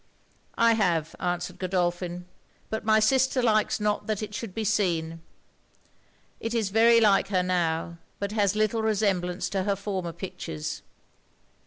'I have,' answered Godolphin; 'but my sister likes not that it should be seen. It is very like her now, but has little resemblance to her former pictures.